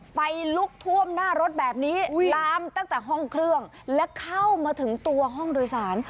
ไฟลุกท่วมหน้ารถแบบนี้ลามตั้งแต่ห้องเครื่องและเข้ามาถึงตัวห้องโดยสาร